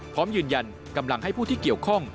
พร้อมยืนยันกำลังให้ผู้ที่เกี่ยวข้อง